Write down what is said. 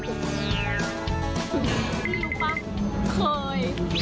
นี่รู้ปะเคย